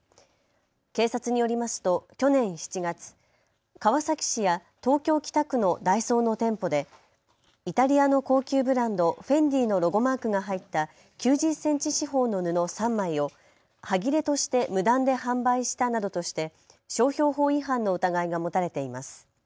警察によりますと去年７月、川崎市や東京北区のダイソーの店舗でイタリアの高級ブランド、フェンディのロゴマークが入った９０センチ四方の布３枚をはぎれとして無断で販売したなどとして商標法違反の疑いが持たれています。